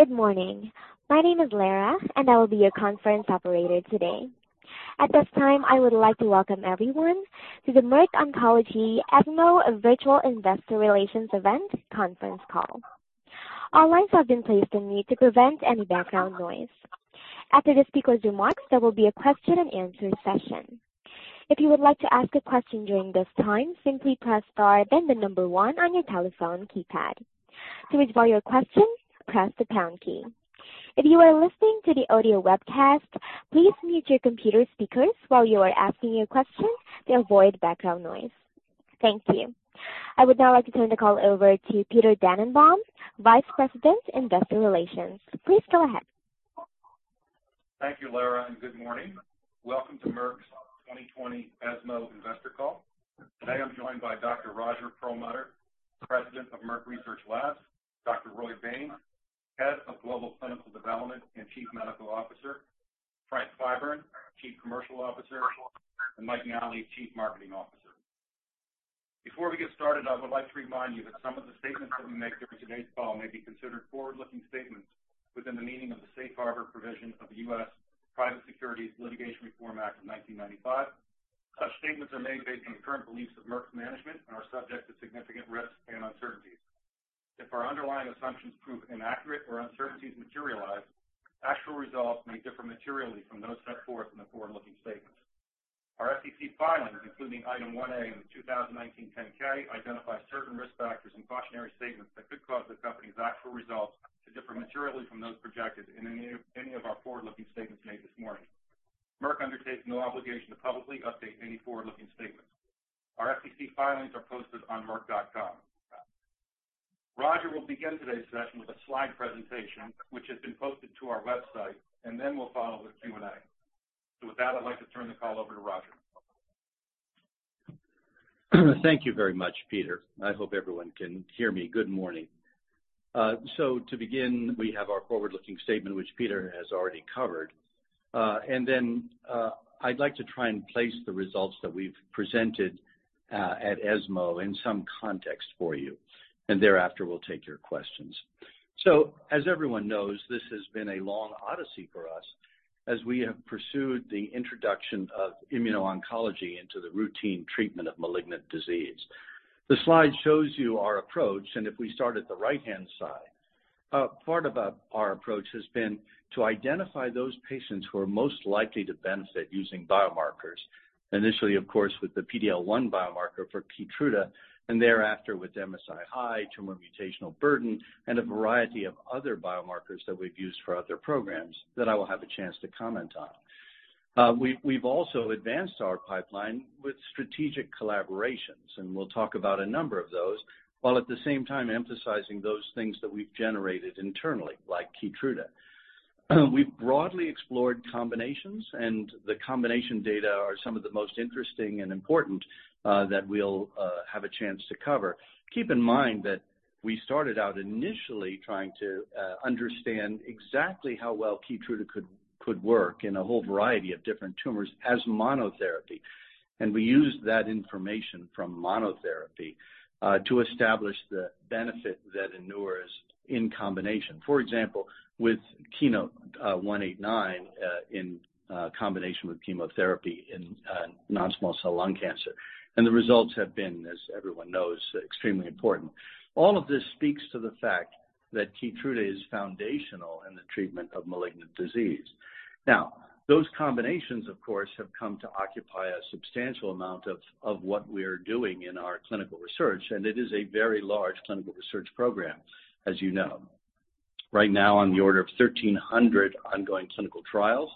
Good morning. My name is Lara, and I will be your conference operator today. At this time, I would like to welcome everyone to the Merck Oncology ESMO Virtual Investor Relations Event conference call. All lines have been placed on mute to prevent any background noise. After the speakers' remarks, there will be a question and answer session. If you would like to ask a question during this time, simply press star then the number one on your telephone keypad. To withdraw your question, press the pound key. If you are listening to the audio webcast, please mute your computer speakers while you are asking your question to avoid background noise. Thank you. I would now like to turn the call over to Peter Dannenbaum, Vice President, Investor Relations. Please go ahead. Thank you, Lara. Good morning. Welcome to Merck's 2020 ESMO investor call. Today, I'm joined by Dr. Roger Perlmutter, President of Merck Research Labs, Dr. Roy Baynes, Head of Global Clinical Development and Chief Medical Officer, Frank Clyburn, Chief Commercial Officer, and Mike Nally, Chief Marketing Officer. Before we get started, I would like to remind you that some of the statements that we make during today's call may be considered forward-looking statements within the meaning of the Safe Harbor provision of the U.S. Private Securities Litigation Reform Act of 1995. Such statements are made based on current beliefs of Merck's management and are subject to significant risks and uncertainties. If our underlying assumptions prove inaccurate or uncertainties materialize, actual results may differ materially from those set forth in the forward-looking statements. Our SEC filings, including Item 1A in the 2019 10-K, identify certain risk factors and cautionary statements that could cause the company's actual results to differ materially from those projected in any of our forward-looking statements made this morning. Merck undertakes no obligation to publicly update any forward-looking statements. Our SEC filings are posted on merck.com. Roger will begin today's session with a slide presentation, which has been posted to our website, and then we'll follow with Q&A. With that, I'd like to turn the call over to Roger. Thank you very much, Peter. I hope everyone can hear me. Good morning. To begin, we have our forward-looking statement, which Peter has already covered. I'd like to try and place the results that we've presented at ESMO in some context for you, and thereafter, we'll take your questions. As everyone knows, this has been a long odyssey for us as we have pursued the introduction of immuno-oncology into the routine treatment of malignant disease. The slide shows you our approach, and if we start at the right-hand side, part about our approach has been to identify those patients who are most likely to benefit using biomarkers. Initially, of course, with the PD-L1 biomarker for KEYTRUDA, and thereafter with MSI-high, tumor mutational burden, and a variety of other biomarkers that we've used for other programs that I will have a chance to comment on. We've also advanced our pipeline with strategic collaborations, and we'll talk about a number of those, while at the same time emphasizing those things that we've generated internally, like KEYTRUDA. We've broadly explored combinations, and the combination data are some of the most interesting and important that we'll have a chance to cover. Keep in mind that we started out initially trying to understand exactly how well KEYTRUDA could work in a whole variety of different tumors as monotherapy. We used that information from monotherapy to establish the benefit that endures in combination. For example, with KEYNOTE-189 in combination with chemotherapy in non-small cell lung cancer. The results have been, as everyone knows, extremely important. All of this speaks to the fact that KEYTRUDA is foundational in the treatment of malignant disease. Those combinations, of course, have come to occupy a substantial amount of what we're doing in our clinical research, and it is a very large clinical research program, as you know. Right now, on the order of 1,300 ongoing clinical trials,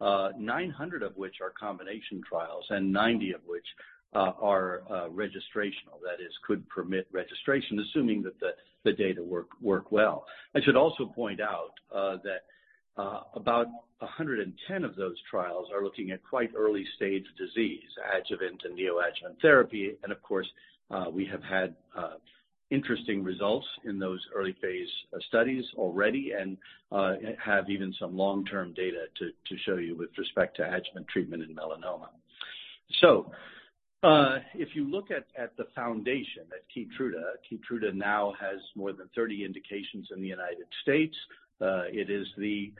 900 of which are combination trials, and 90 of which are registrational. That is, could permit registration, assuming that the data work well. I should also point out that about 110 of those trials are looking at quite early-stage disease, adjuvant and neoadjuvant therapy. Of course, we have had interesting results in those early-phase studies already and have even some long-term data to show you with respect to adjuvant treatment in melanoma. If you look at the foundation at KEYTRUDA now has more than 30 indications in the U.S. It is the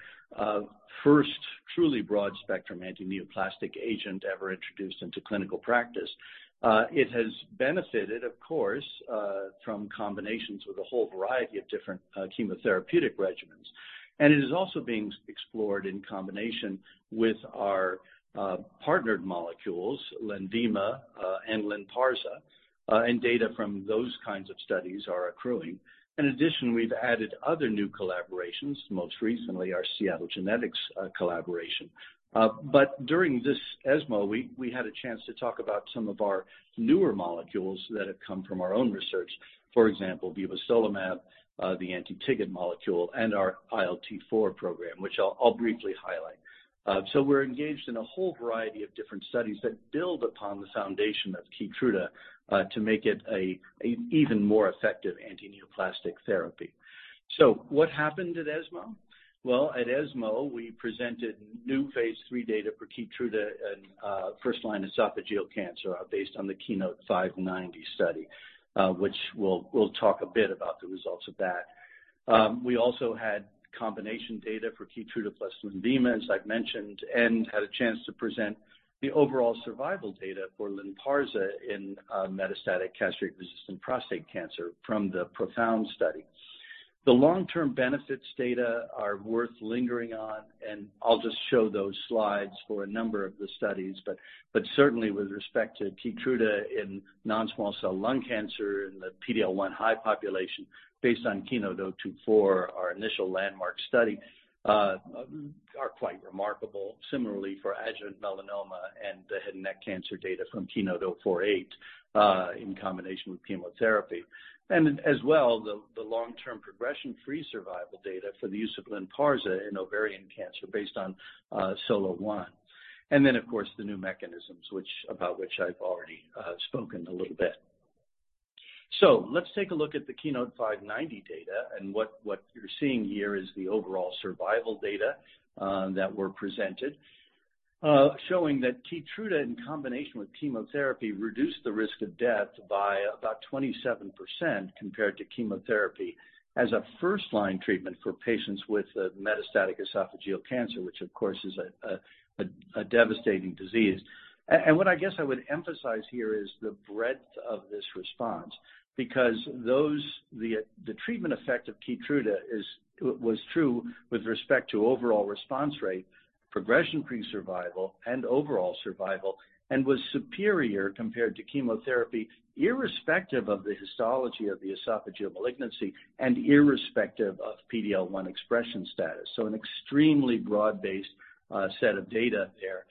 first truly broad-spectrum antineoplastic agent ever introduced into clinical practice. It has benefited, of course, from combinations with a whole variety of different chemotherapeutic regimens. It is also being explored in combination with our partnered molecules, LENVIMA and LYNPARZA, and data from those kinds of studies are accruing. In addition, we've added other new collaborations, most recently our Seagen collaboration. During this ESMO, we had a chance to talk about some of our newer molecules that have come from our own research. For example, vibostolimab, the anti-TIGIT molecule, and our ILT4 program, which I'll briefly highlight. We're engaged in a whole variety of different studies that build upon the foundation of KEYTRUDA, to make it an even more effective antineoplastic therapy. What happened at ESMO? Well, at ESMO, we presented new phase III data for KEYTRUDA in first-line esophageal cancer based on the KEYNOTE-590 study, which we'll talk a bit about the results of that. We also had combination data for KEYTRUDA plus LENVIMA, as I've mentioned, and had a chance to present the overall survival data for LYNPARZA in metastatic castrate-resistant prostate cancer from the PROfound study. The long-term benefits data are worth lingering on. I'll just show those slides for a number of the studies. Certainly with respect to KEYTRUDA in non-small cell lung cancer in the PD-L1 high population, based on KEYNOTE-024, our initial landmark study, are quite remarkable. Similarly for adjuvant melanoma and the head and neck cancer data from KEYNOTE-048, in combination with chemotherapy. As well, the long-term progression free survival data for the use of LYNPARZA in ovarian cancer based on SOLO-1. Of course, the new mechanisms about which I've already spoken a little bit. Let's take a look at the KEYNOTE-590 data. What you're seeing here is the overall survival data that were presented, showing that KEYTRUDA in combination with chemotherapy reduced the risk of death by about 27% compared to chemotherapy as a first-line treatment for patients with metastatic esophageal cancer, which of course is a devastating disease. What I guess I would emphasize here is the breadth of this response, because the treatment effect of KEYTRUDA was true with respect to overall response rate, progression-free survival, and overall survival, and was superior compared to chemotherapy, irrespective of the histology of the esophageal malignancy and irrespective of PD-L1 expression status. An extremely broad-based set of data there.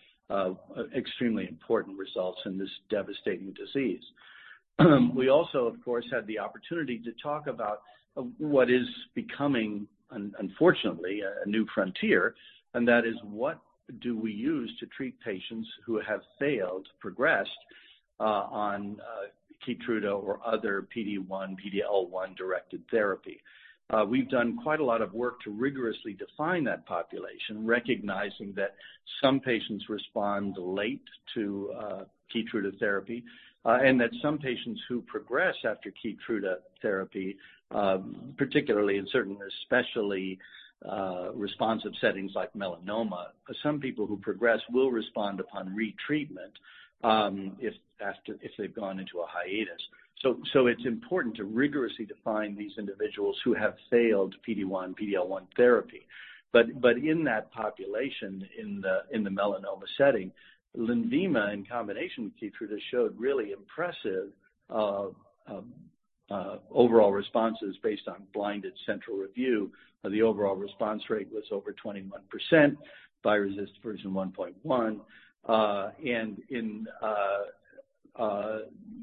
Extremely important results in this devastating disease. We also, of course, had the opportunity to talk about what is becoming, unfortunately, a new frontier, and that is what do we use to treat patients who have failed, progressed on KEYTRUDA or other PD-1, PD-L1-directed therapy? We've done quite a lot of work to rigorously define that population, recognizing that some patients respond late to KEYTRUDA therapy, and that some patients who progress after KEYTRUDA therapy, particularly in certain especially responsive settings like melanoma. Some people who progress will respond upon retreatment if they've gone into a hiatus. It's important to rigorously define these individuals who have failed PD-1, PD-L1 therapy. In that population, in the melanoma setting, LENVIMA in combination with KEYTRUDA showed really impressive overall responses based on blinded central review. The overall response rate was over 21% by Response Version 1.1. In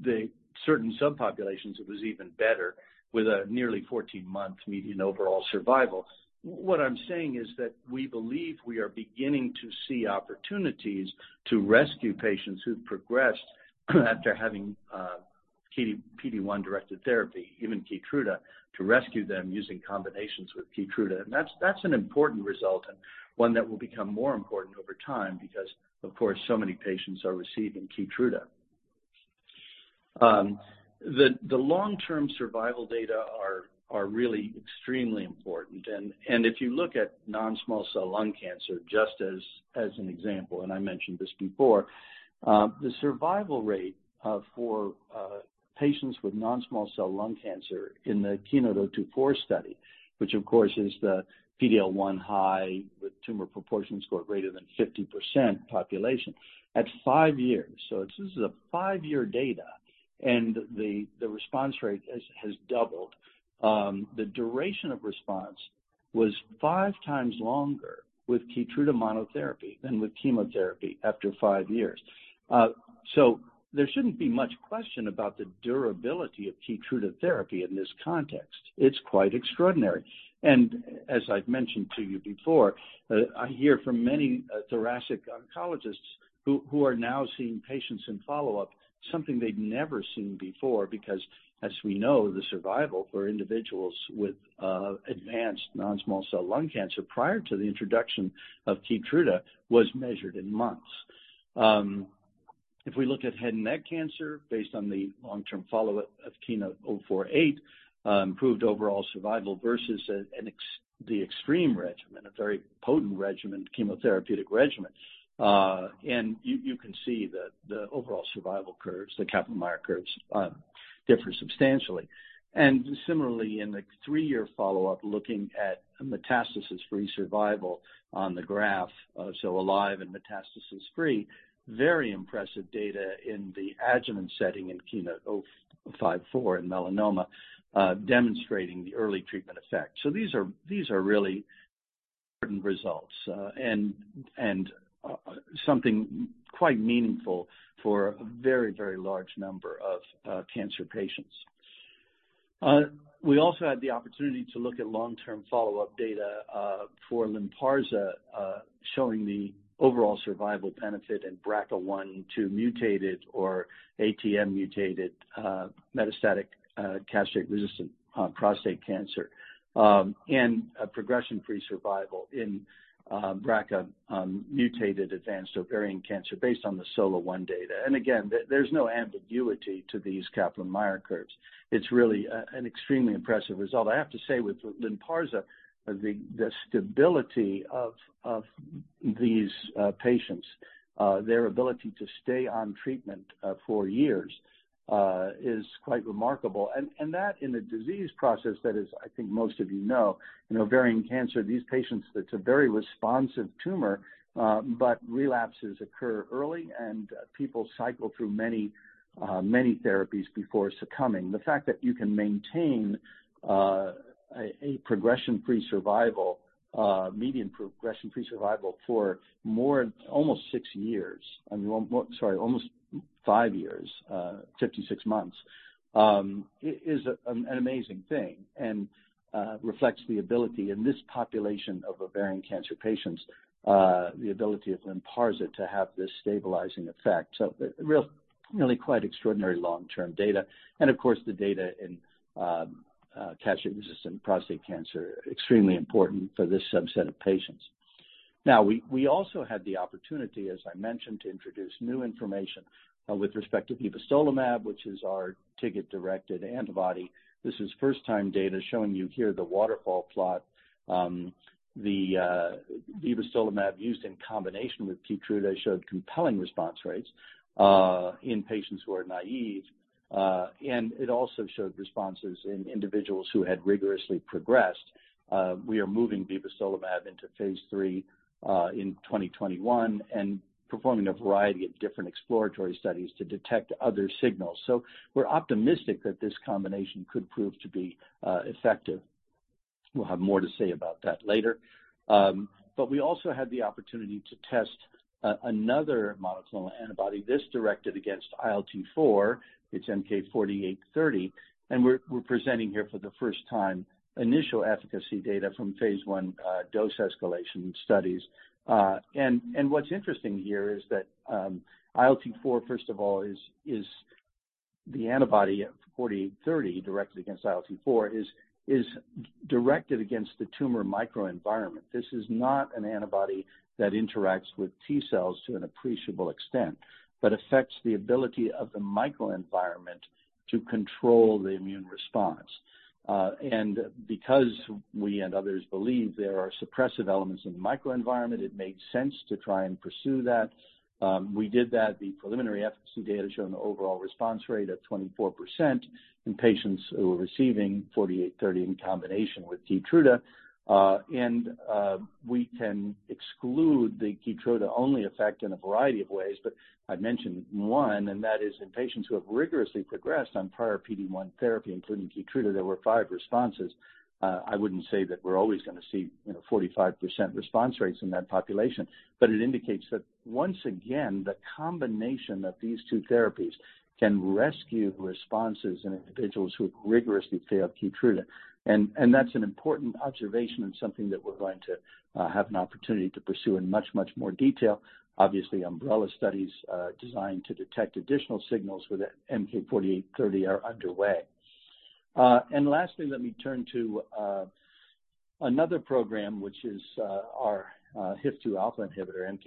the certain subpopulations, it was even better, with a nearly 14-month median overall survival. What I'm saying is that we believe we are beginning to see opportunities to rescue patients who've progressed after having PD-1-directed therapy, even KEYTRUDA, to rescue them using combinations with KEYTRUDA. That's an important result and one that will become more important over time because, of course, so many patients are receiving KEYTRUDA. The long-term survival data are really extremely important. If you look at non-small cell lung cancer, just as an example, and I mentioned this before, the survival rate for patients with non-small cell lung cancer in the KEYNOTE-024 study, which of course is the PD-L1 high with tumor proportion score greater than 50% population at five years. This is a five-year data, and the response rate has doubled. The duration of response was five times longer with KEYTRUDA monotherapy than with chemotherapy after five years. There shouldn't be much question about the durability of KEYTRUDA therapy in this context. It's quite extraordinary. As I've mentioned to you before, I hear from many thoracic oncologists who are now seeing patients in follow-up, something they'd never seen before, because, as we know, the survival for individuals with advanced non-small cell lung cancer prior to the introduction of KEYTRUDA was measured in months. If we look at head and neck cancer, based on the long-term follow-up of KEYNOTE-048, improved overall survival versus the extreme regimen, a very potent regimen, chemotherapeutic regimen. You can see that the overall survival curves, the Kaplan-Meier curves, differ substantially. Similarly, in the three-year follow-up, looking at metastasis-free survival on the graph, so alive and metastasis-free, very impressive data in the adjuvant setting in KEYNOTE-054 in melanoma, demonstrating the early treatment effect. These are really important results and something quite meaningful for a very large number of cancer patients. We also had the opportunity to look at long-term follow-up data for LYNPARZA, showing the overall survival benefit in BRCA1/2 mutated or ATM-mutated metastatic castrate-resistant prostate cancer, and progression-free survival in BRCA-mutated advanced ovarian cancer based on the SOLO-1 data. Again, there's no ambiguity to these Kaplan-Meier curves. It's really an extremely impressive result. I have to say with LYNPARZA, the stability of these patients' ability to stay on treatment for years is quite remarkable. That in the disease process that is, I think most of you know, in ovarian cancer, these patients, it's a very responsive tumor, but relapses occur early and people cycle through many therapies before succumbing. The fact that you can maintain a progression-free survival, median progression-free survival for almost 6 years, sorry, almost 5 years, 56 months, is an amazing thing, and reflects the ability in this population of ovarian cancer patients, the ability of LYNPARZA to have this stabilizing effect. Really quite extraordinary long-term data. Of course, the data in castration-resistant prostate cancer, extremely important for this subset of patients. We also had the opportunity, as I mentioned, to introduce new information with respect to vibostolimab, which is our TIGIT-directed antibody. This is first-time data showing you here the waterfall plot. The vibostolimab used in combination with KEYTRUDA showed compelling response rates in patients who are naive, and it also showed responses in individuals who had rigorously progressed. We are moving vibostolimab into phase III in 2021 and performing a variety of different exploratory studies to detect other signals. We're optimistic that this combination could prove to be effective. We'll have more to say about that later. We also had the opportunity to test another monoclonal antibody, this directed against ILT4. It's MK-4830, and we're presenting here for the first time initial efficacy data from phase I dose escalation studies. What's interesting here is that ILT4, first of all, is the antibody of 4830 directed against ILT4, is directed against the tumor microenvironment. This is not an antibody that interacts with T cells to an appreciable extent but affects the ability of the microenvironment to control the immune response. Because we and others believe there are suppressive elements in the microenvironment, it makes sense to try and pursue that. We did that. The preliminary efficacy data shown the overall response rate at 24% in patients who are receiving 4830 in combination with KEYTRUDA. We can exclude the KEYTRUDA-only effect in a variety of ways, but I've mentioned one, and that is in patients who have rigorously progressed on prior PD-1 therapy, including KEYTRUDA, there were five responses. I wouldn't say that we're always going to see 45% response rates in that population. It indicates that once again, the combination of these two therapies can rescue responses in individuals who have rigorously failed KEYTRUDA. That's an important observation and something that we're going to have an opportunity to pursue in much, much more detail. Obviously, umbrella studies designed to detect additional signals with MK-4830 are underway. Lastly, let me turn to another program, which is our HIF-2α inhibitor,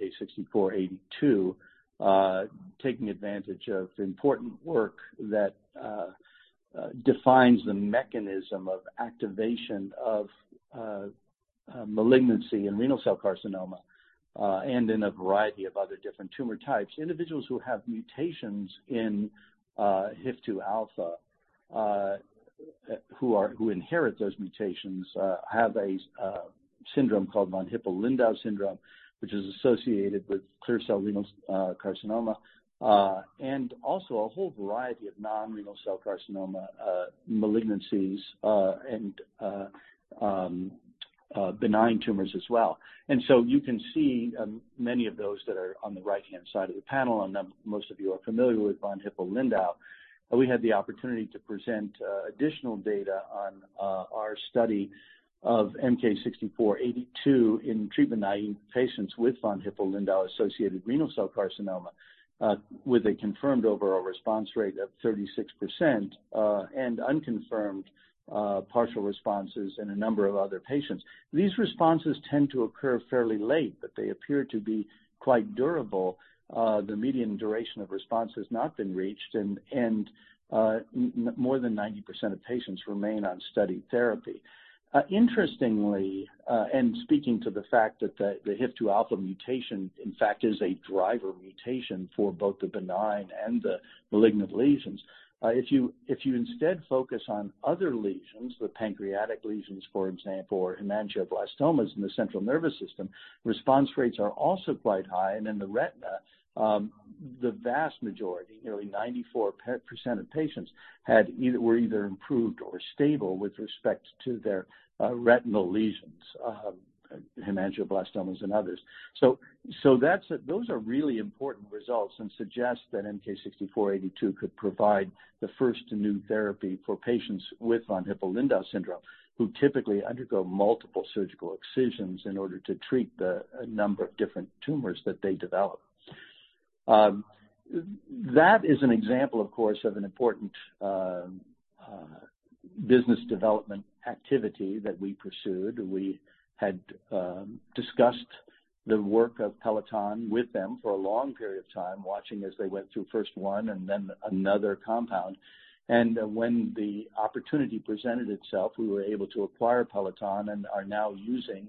MK-6482, taking advantage of important work that defines the mechanism of activation of malignancy in renal cell carcinoma, and in a variety of other different tumor types. Individuals who have mutations in HIF-2α, who inherit those mutations have a syndrome called von Hippel-Lindau syndrome, which is associated with clear cell renal carcinoma, and also a whole variety of non-renal cell carcinoma malignancies and benign tumors as well. You can see many of those that are on the right-hand side of the panel, and most of you are familiar with von Hippel-Lindau. We had the opportunity to present additional data on our study of MK-6482 in treatment-naive patients with von Hippel-Lindau-associated renal cell carcinoma, with a confirmed overall response rate of 36% and unconfirmed partial responses in a number of other patients. These responses tend to occur fairly late, but they appear to be quite durable. The median duration of response has not been reached, and more than 90% of patients remain on study therapy. Interestingly, speaking to the fact that the HIF-2α mutation, in fact, is a driver mutation for both the benign and the malignant lesions. If you instead focus on other lesions, the pancreatic lesions, for example, or hemangioblastomas in the central nervous system, response rates are also quite high. In the retina, the vast majority, nearly 94% of patients, were either improved or stable with respect to their retinal lesions, hemangioblastomas and others. Those are really important results and suggest that MK-6482 could provide the first new therapy for patients with von Hippel-Lindau syndrome, who typically undergo multiple surgical excisions in order to treat the number of different tumors that they develop. That is an example, of course, of an important business development activity that we pursued. We had discussed the work of Peloton with them for a long period of time, watching as they went through first one and then another compound. When the opportunity presented itself, we were able to acquire Peloton and are now using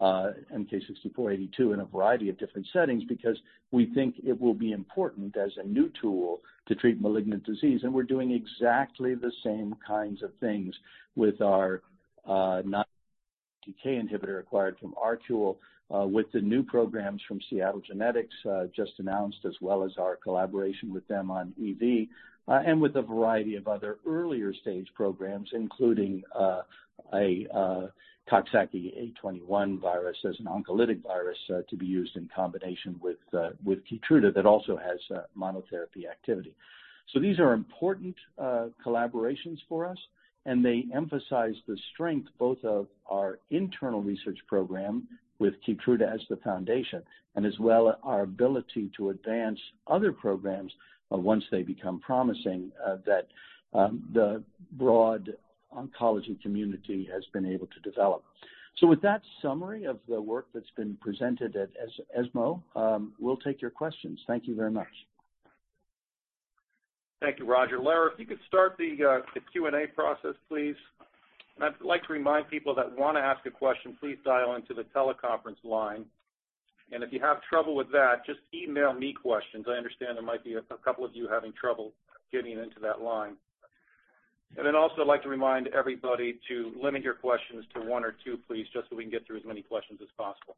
MK-6482 in a variety of different settings because we think it will be important as a new tool to treat malignant disease. We're doing exactly the same kinds of things with our non-TK inhibitor acquired from ArQule, with the new programs from Seagen just announced, as well as our collaboration with them on EV, and with a variety of other earlier-stage programs, including a Coxsackie A21 virus as an oncolytic virus to be used in combination with KEYTRUDA that also has monotherapy activity. These are important collaborations for us, and they emphasize the strength both of our internal research program with KEYTRUDA as the foundation and as well our ability to advance other programs once they become promising that the broad oncology community has been able to develop. With that summary of the work that's been presented at ESMO, we'll take your questions. Thank you very much. Thank you, Roger. Lara, if you could start the Q&A process, please. I'd like to remind people that want to ask a question, please dial into the teleconference line. If you have trouble with that, just email me questions. I understand there might be a couple of you having trouble getting into that line. Also, I'd like to remind everybody to limit your questions to one or two, please, just so we can get through as many questions as possible.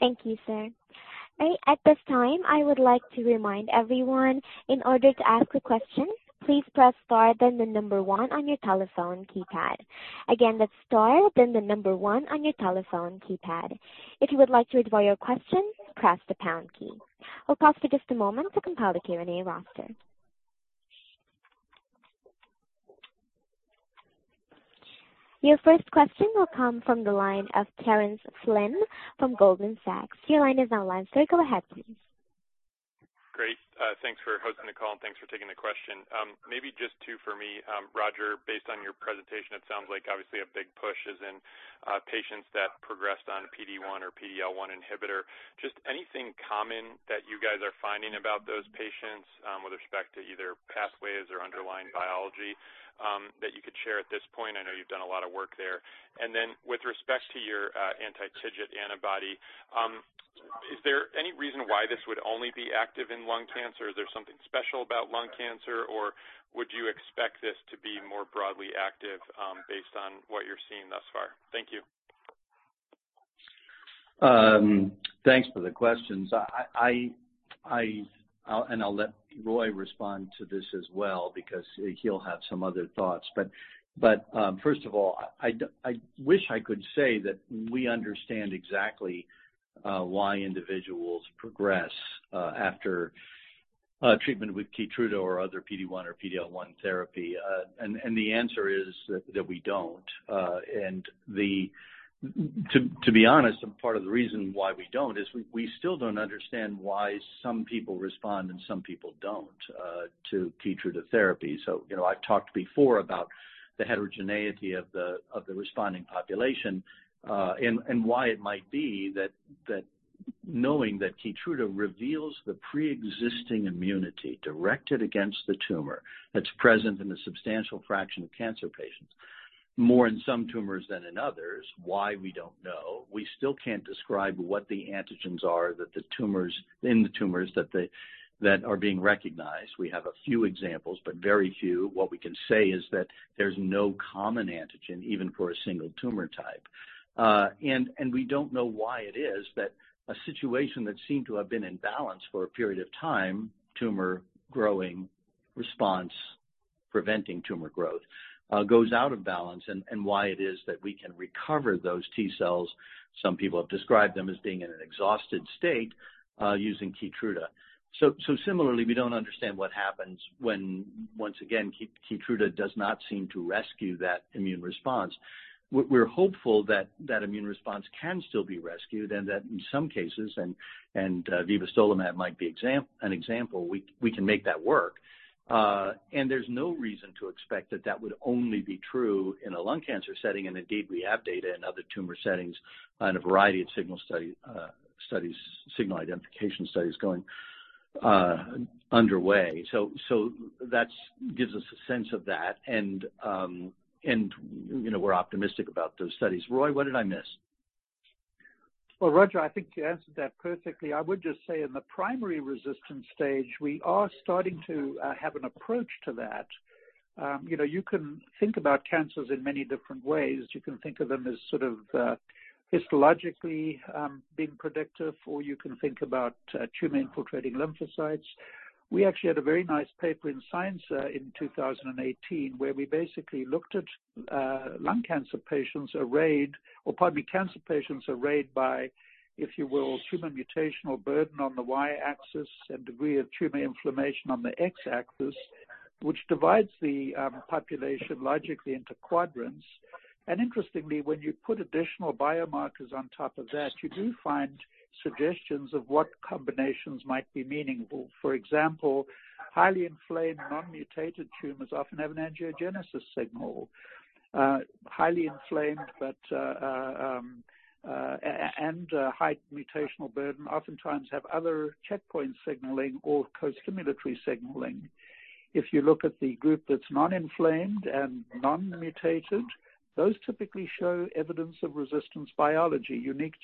Thank you, sir. At this time, I would like to remind everyone, in order to ask a question, please press star, then the number 1 on your telephone keypad. Again, that's star, then the number 1 on your telephone keypad. If you would like to withdraw your question, press the pound key. We'll pause for just a moment to compile the Q&A roster. Your first question will come from the line of Karen Flynn from Goldman Sachs. Your line is now live, sir. Go ahead, please. Great. Thanks for hosting the call. Thanks for taking the question. Maybe just two for me. Roger, based on your presentation, it sounds like obviously a big push is in patients that progressed on PD-1 or PD-L1 inhibitor. Anything common that you guys are finding about those patients with respect to either pathways or underlying biology that you could share at this point? I know you've done a lot of work there. Then with respect to your anti-TIGIT antibody, is there any reason why this would only be active in lung cancer? Is there something special about lung cancer, or would you expect this to be more broadly active based on what you're seeing thus far? Thank you. Thanks for the questions. I'll let Roy respond to this as well because he'll have some other thoughts. First of all, I wish I could say that we understand exactly why individuals progress after treatment with KEYTRUDA or other PD-1 or PD-L1 therapy. The answer is that we don't. To be honest, and part of the reason why we don't is we still don't understand why some people respond and some people don't to KEYTRUDA therapy. I've talked before about the heterogeneity of the responding population and why it might be that knowing that KEYTRUDA reveals the preexisting immunity directed against the tumor that's present in a substantial fraction of cancer patients, more in some tumors than in others. Why? We don't know. We still can't describe what the antigens are in the tumors that are being recognized. We have a few examples, but very few. What we can say is that there's no common antigen, even for a single tumor type. We don't know why it is that a situation that seemed to have been in balance for a period of time, tumor growing, response preventing tumor growth, goes out of balance, and why it is that we can recover those T cells, some people have described them as being in an exhausted state, using KEYTRUDA. Similarly, we don't understand what happens when, once again, KEYTRUDA does not seem to rescue that immune response. We're hopeful that that immune response can still be rescued and that in some cases, and vibostolimab might be an example, we can make that work. There's no reason to expect that that would only be true in a lung cancer setting. Indeed, we have data in other tumor settings and a variety of signal identification studies going underway. That gives us a sense of that, and we're optimistic about those studies. Roy, what did I miss? Well, Roger, I think you answered that perfectly. I would just say in the primary resistance stage, we are starting to have an approach to that. You can think about cancers in many different ways. You can think of them as sort of histologically being predictive, or you can think about tumor-infiltrating lymphocytes. We actually had a very nice paper in "Science" in 2018, where we basically looked at lung cancer patients arrayed, or pardon me, cancer patients arrayed by, if you will, tumor mutational burden on the y-axis and degree of tumor inflammation on the x-axis, which divides the population logically into quadrants. Interestingly, when you put additional biomarkers on top of that, you do find suggestions of what combinations might be meaningful. For example, highly inflamed non-mutated tumors often have an angiogenesis signal. Highly inflamed and a high mutational burden oftentimes have other checkpoint signaling or costimulatory signaling. If you look at the group that's non-inflamed and non-mutated, those typically show evidence of resistance biology, unique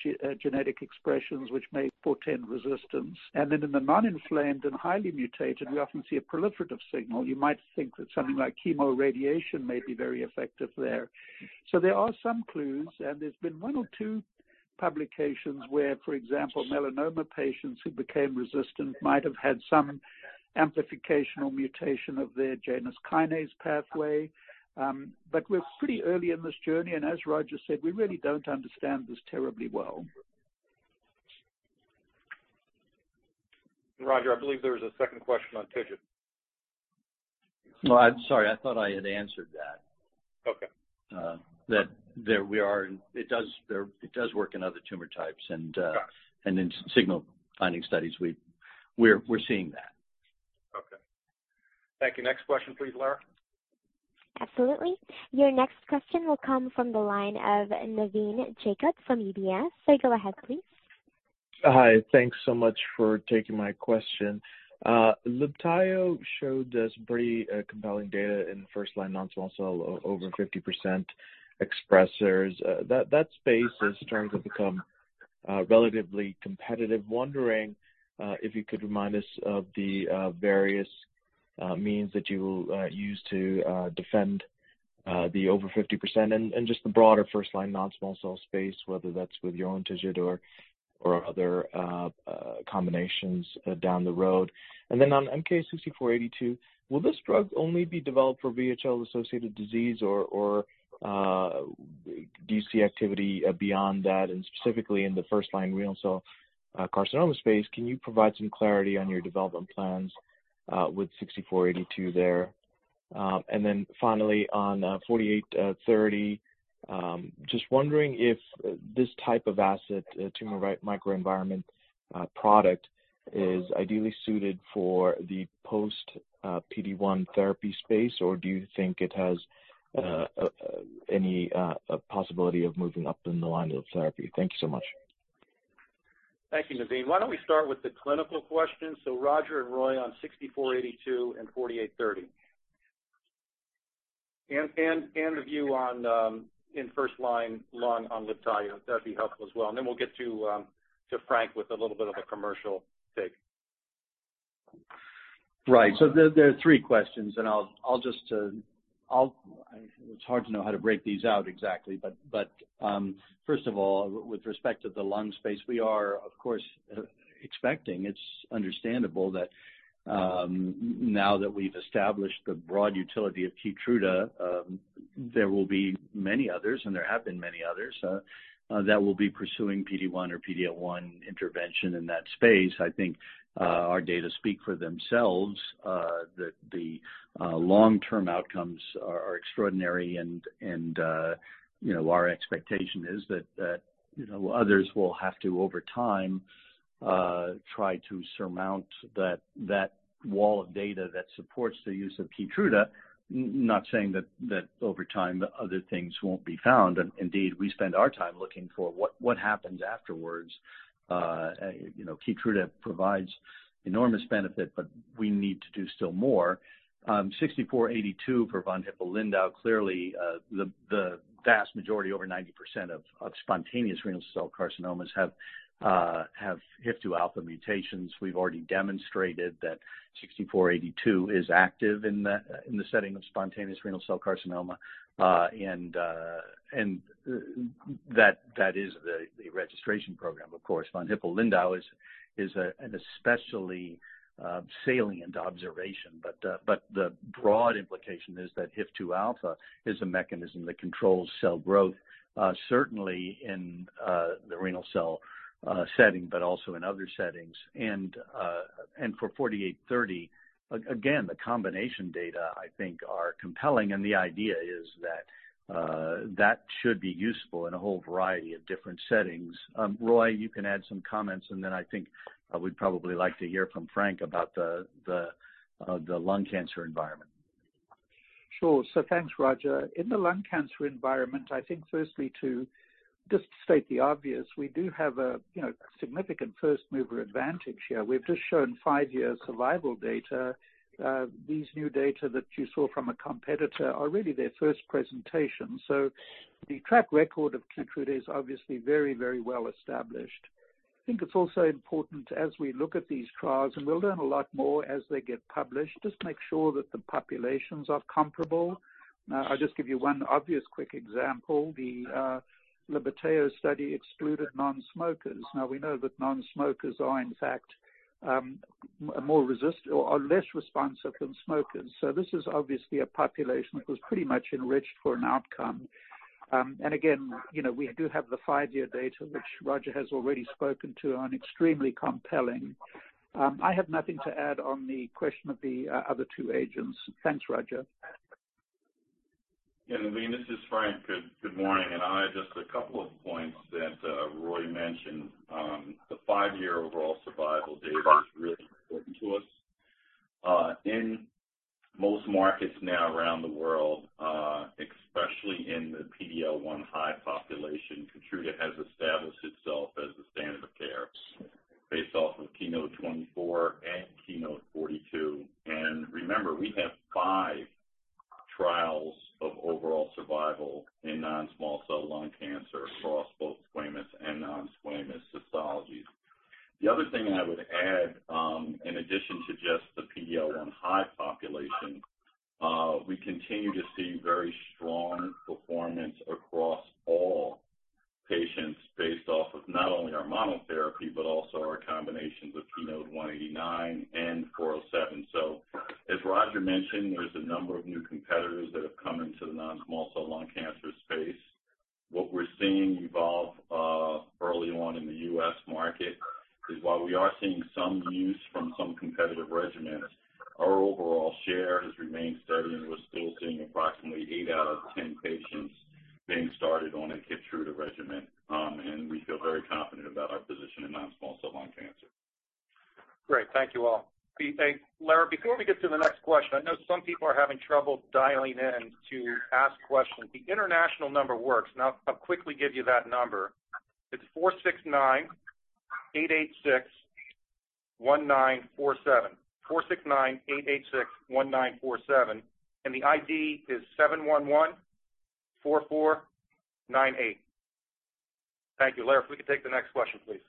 genetic expressions, which may portend resistance. In the non-inflamed and highly mutated, we often see a proliferative signal. You might think that something like chemoradiation may be very effective there. There are some clues, and there's been one or 2 publications where, for example, melanoma patients who became resistant might have had some amplification or mutation of their Janus kinase pathway. We're pretty early in this journey, and as Roger said, we really don't understand this terribly well. Roger, I believe there was a second question on TIGIT. No, I'm sorry. I thought I had answered that. Okay. That it does work in other tumor types. Got it. In signal finding studies, we're seeing that. Okay. Thank you. Next question please, Lara. Absolutely. Your next question will come from the line of Navin Jacob from UBS. Sir, go ahead, please. Hi. Thanks so much for taking my question. LIBTAYO showed us pretty compelling data in first-line non-small cell, over 50% expressers. That space is starting to become relatively competitive. Wondering if you could remind us of the various means that you will use to defend the over 50% and just the broader first-line non-small cell space, whether that's with your own TIGIT or other combinations down the road. Then on MK-6482, will this drug only be developed for VHL-associated disease or DC activity beyond that? Specifically, in the first-line renal cell carcinoma space, can you provide some clarity on your development plans with 6482 there? Then finally, on 4830, just wondering if this type of asset, tumor microenvironment product, is ideally suited for the post-PD-1 therapy space, or do you think it has any possibility of moving up in the line of therapy? Thank you so much. Thank you, Navin. Why don't we start with the clinical question? Roger and Roy on 6482 and 4830. A view in first-line lung on LIBTAYO. That'd be helpful as well. Then we'll get to Frank with a little bit of a commercial take. Right. There are three questions. It's hard to know how to break these out exactly. First of all, with respect to the lung space, we are, of course, expecting. It's understandable that now that we've established the broad utility of KEYTRUDA, there will be many others, and there have been many others, that will be pursuing PD-1 or PD-L1 intervention in that space. I think our data speak for themselves, that the long-term outcomes are extraordinary and our expectation is that others will have to, over time, try to surmount that wall of data that supports the use of KEYTRUDA. Not saying that over time, other things won't be found. Indeed, we spend our time looking for what happens afterwards. KEYTRUDA provides enormous benefit, but we need to do still more. MK-6482 for von Hippel-Lindau, clearly, the vast majority, over 90% of spontaneous renal cell carcinomas have HIF-2α mutations. We've already demonstrated that MK-6482 is active in the setting of spontaneous renal cell carcinoma, and that is the registration program, of course. von Hippel-Lindau is an especially salient observation. The broad implication is that HIF-2α is a mechanism that controls cell growth, certainly in the renal cell setting, but also in other settings. For MK-4830, again, the combination data I think are compelling, and the idea is that that should be useful in a whole variety of different settings. Roy, you can add some comments, and then I think we'd probably like to hear from Frank about the lung cancer environment. Sure. Thanks, Roger. In the lung cancer environment, I think firstly to just state the obvious, we do have a significant first-mover advantage here. We've just shown five-year survival data. These new data that you saw from a competitor are really their first presentation. The track record of KEYTRUDA is obviously very, very well established. I think it's also important as we look at these trials, and we'll learn a lot more as they get published, just make sure that the populations are comparable. I'll just give you one obvious quick example. The LIBTAYO study excluded non-smokers. We know that non-smokers are, in fact, less responsive than smokers. This is obviously a population that was pretty much enriched for an outcome. Again, we do have the five-year data, which Roger has already spoken to, are extremely compelling. I have nothing to add on the question of the other two agents. Thanks, Roger. Elaine, this is Frank. Good morning. I have just a couple of points that Roy mentioned. The five-year overall survival data is really important to us. In most markets now around the world, especially in the PD-L1 high population, KEYTRUDA has established itself as the standard of care based off of KEYNOTE-024 and KEYNOTE-042. Remember, we have five trials of overall survival in non-small cell lung cancer across both squamous and non-squamous histologies. The other thing I would add, in addition to just the PD-L1 high population, we continue to see very strong performance across all patients based off of not only our monotherapy but also our combinations with KEYNOTE-189 and -407. As Roger mentioned, there's a number of new competitors that have come into the non-small cell lung cancer space. What we're seeing evolve early on in the U.S. market is while we are seeing some use from some competitive regimens, our overall share has remained steady, and we're still seeing approximately eight out of 10 patients being started on a KEYTRUDA regimen. We feel very confident about our position in non-small cell lung cancer. Great. Thank you all. Lara, before we get to the next question, I know some people are having trouble dialing in to ask questions. The international number works. I'll quickly give you that number. It's 469-886-1947. 469-886-1947, the ID is 7114498. Thank you. Lara, if we could take the next question, please.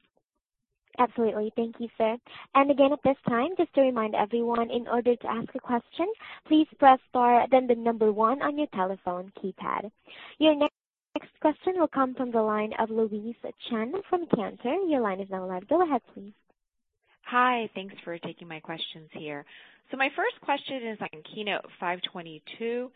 Absolutely. Thank you, sir. Again, at this time, just to remind everyone, in order to ask a question, please press star then the number 1 on your telephone keypad. Your next question will come from the line of Louise Chen from Cantor. Your line is now live. Go ahead, please. Hi. Thanks for taking my questions here. My first question is on KEYNOTE-522.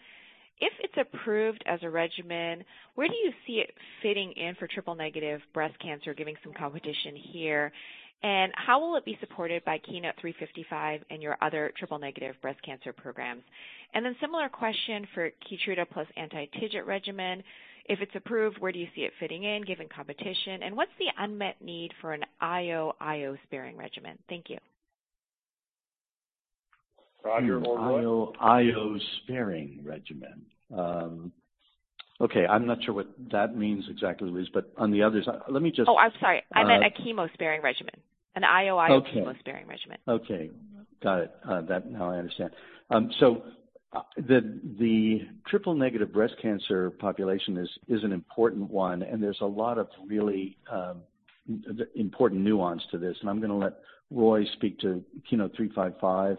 If it's approved as a regimen, where do you see it fitting in for triple-negative breast cancer, giving some competition here? How will it be supported by KEYNOTE-355 and your other triple-negative breast cancer programs? Similar question for KEYTRUDA plus anti-TIGIT regimen. If it's approved, where do you see it fitting in, given competition? What's the unmet need for an IO sparing regimen? Thank you. Roger or Roy? IO sparing regimen. Okay. I'm not sure what that means exactly, Louise. Oh, I'm sorry. I meant a chemo-sparing regimen. An IO- Okay IO chemo-sparing regimen. Okay. Got it. Now I understand. The triple-negative breast cancer population is an important one, and there's a lot of really important nuance to this, and I'm going to let Roy speak to KEYNOTE-355 and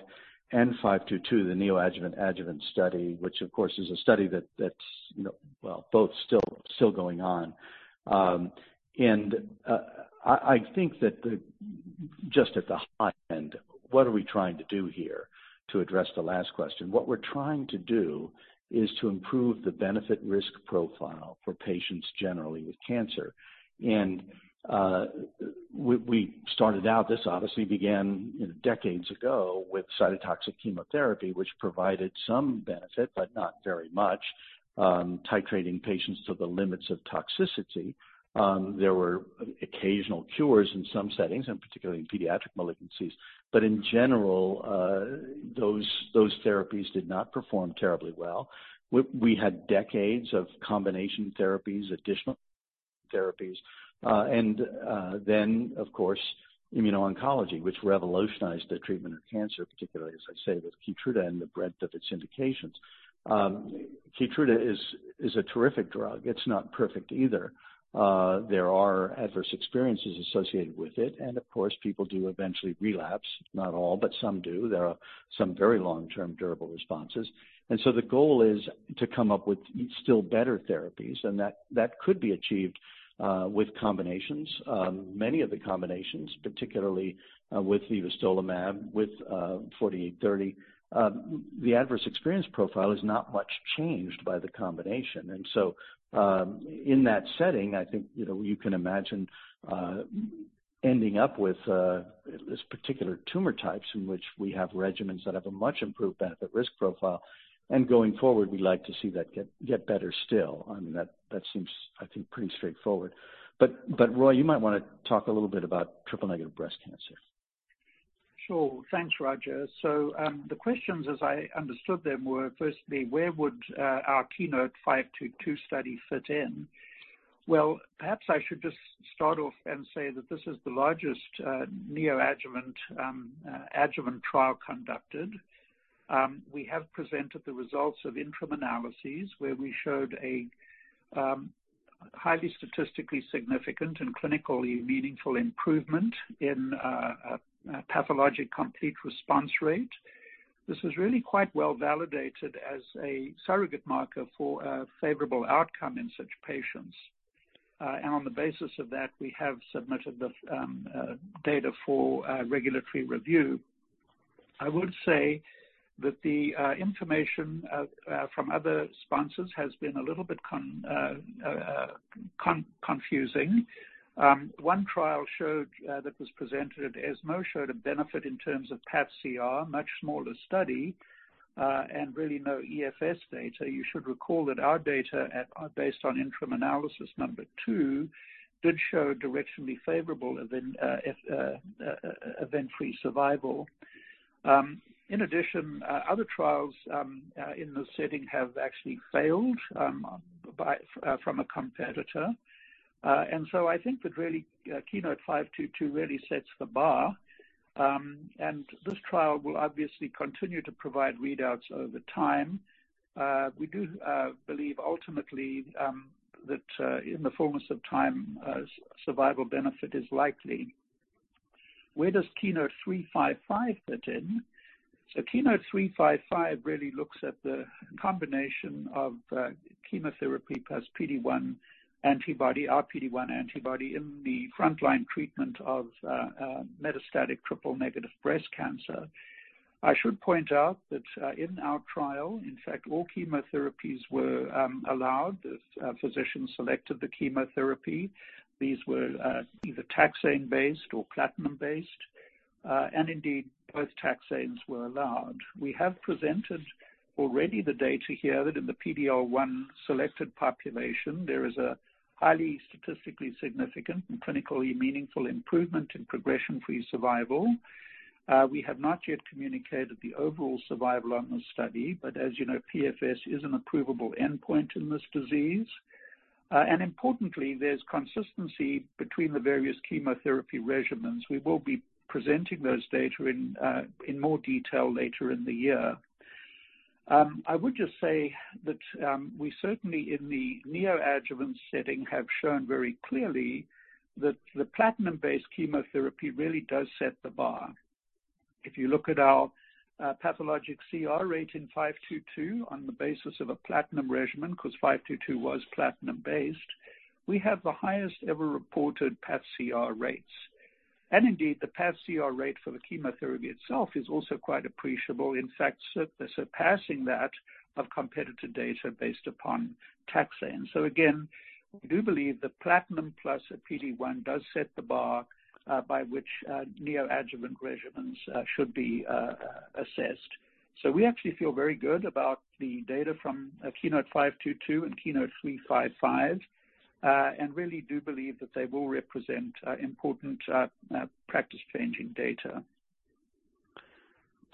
KEYNOTE-522, the neoadjuvant, adjuvant study, which of course is a study that's, well, both still going on. I think that just at the high end, what are we trying to do here to address the last question? What we're trying to do is to improve the benefit-risk profile for patients generally with cancer. We started out, this obviously began decades ago with cytotoxic chemotherapy, which provided some benefit, but not very much, titrating patients to the limits of toxicity. There were occasional cures in some settings, and particularly in pediatric malignancies. In general, those therapies did not perform terribly well. We had decades of combination therapies, additional therapies, and then, of course, immuno-oncology, which revolutionized the treatment of cancer, particularly, as I say, with KEYTRUDA and the breadth of its indications. KEYTRUDA is a terrific drug. It's not perfect either. There are adverse experiences associated with it, and of course, people do eventually relapse. Not all, but some do. There are some very long-term durable responses. The goal is to come up with still better therapies, and that could be achieved with combinations. Many of the combinations, particularly with nivolumab, with 4830, the adverse experience profile is not much changed by the combination. In that setting, I think you can imagine ending up with these particular tumor types in which we have regimens that have a much improved benefit-risk profile. Going forward, we'd like to see that get better still. That seems, I think, pretty straightforward. Roy, you might want to talk a little bit about triple-negative breast cancer. Sure. Thanks, Roger. The questions as I understood them were firstly, where would our KEYNOTE-522 study fit in? Perhaps I should just start off and say that this is the largest neoadjuvant, adjuvant trial conducted. We have presented the results of interim analyses where we showed a highly statistically significant and clinically meaningful improvement in pathologic complete response rate. This is really quite well-validated as a surrogate marker for a favorable outcome in such patients. On the basis of that, we have submitted the data for regulatory review. I would say that the information from other sponsors has been a little bit confusing. One trial that was presented at ESMO showed a benefit in terms of path CR, much smaller study, and really no EFS data. You should recall that our data based on interim analysis number two did show directionally favorable event-free survival. In addition, other trials in this setting have actually failed from a competitor. I think that really KEYNOTE-522 really sets the bar. This trial will obviously continue to provide readouts over time. We do believe ultimately, that in the fullness of time, survival benefit is likely. Where does KEYNOTE-355 fit in? KEYNOTE-355 really looks at the combination of chemotherapy plus PD-1 antibody, our PD-1 antibody, in the frontline treatment of metastatic triple-negative breast cancer. I should point out that in our trial, in fact, all chemotherapies were allowed. Physicians selected the chemotherapy. These were either taxane-based or platinum-based. Indeed, both taxanes were allowed. We have presented already the data here that in the PD-L1 selected population, there is a highly statistically significant and clinically meaningful improvement in progression-free survival. We have not yet communicated the overall survival on this study, but as you know, PFS is an approvable endpoint in this disease. Importantly, there's consistency between the various chemotherapy regimens. We will be presenting those data in more detail later in the year. I would just say that we certainly, in the neoadjuvant setting, have shown very clearly that the platinum-based chemotherapy really does set the bar. If you look at our pathologic CR rate in 522 on the basis of a platinum regimen, because 522 was platinum-based, we have the highest ever reported path CR rates. Indeed, the path CR rate for the chemotherapy itself is also quite appreciable. In fact, surpassing that of competitor data based upon taxane. Again, we do believe the platinum plus a PD-1 does set the bar by which neoadjuvant regimens should be assessed. We actually feel very good about the data from KEYNOTE-522 and KEYNOTE-355, and really do believe that they will represent important practice-changing data.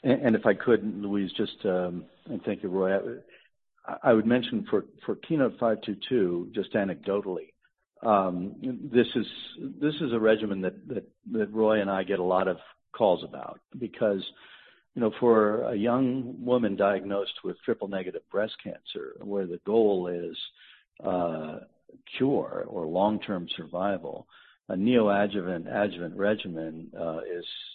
If I could, Louise, and thank you, Roy. I would mention for KEYNOTE-522, just anecdotally, this is a regimen that Roy and I get a lot of calls about because for a young woman diagnosed with triple-negative breast cancer, where the goal is cure or long-term survival, a neoadjuvant adjuvant regimen